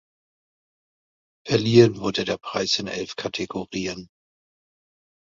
Verliehen wurde der Preis in elf Kategorien.